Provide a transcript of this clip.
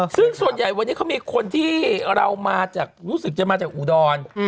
ซึ่งส่วนใหญ่วันนี้เขามีคนที่เรามาจากรู้สึกจะมาจากอุดร